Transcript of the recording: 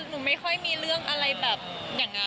หนูไม่ค่อยมีเรื่องอะไรแบบอย่างนั้น